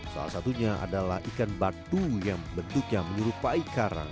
salah satunya adalah ikan batu yang bentuknya menyerupai karang